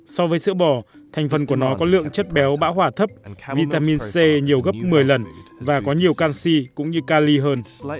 so với sữa bò thành phần của nó có lượng chất béo bão hỏa thấp vitamin c nhiều gấp một mươi lần và có nhiều canxi cũng như ca ly hơn